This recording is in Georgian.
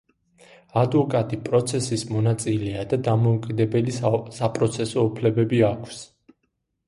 ადვოკატი პროცესის მონაწილეა და დამოუკიდებელი საპროცესო უფლებები აქვს.